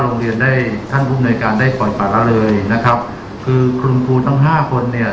โรงเรียนได้ท่านภูมิในการได้ปล่อยป่าละเลยนะครับคือคุณครูทั้งห้าคนเนี่ย